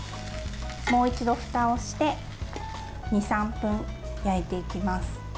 もう一度ふたをして２３分焼いていきます。